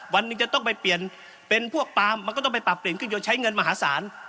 วันหนึ่งจะต้องไปเปลี่ยนเป็นพวกปาล์มมันก็ต้องไปปรับเปลี่ยนเครื่องยนต์ใช้เงินมหาศาล